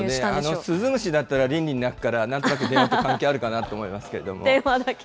スズムシだったらりんりん鳴くから、なんとなく電話と関係あるかなと思いますけれども。